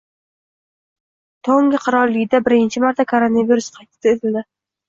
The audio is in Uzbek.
Tonga Qirolligida birinchi marta koronavirus qayd etildi